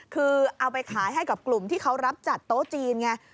คือเอาไปขายให้กับกลุ่มที่เขารับจัดโต๊ะจีนไง